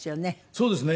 そうですね。